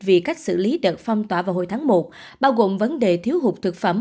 vì cách xử lý đợt phong tỏa vào hồi tháng một bao gồm vấn đề thiếu hụt thực phẩm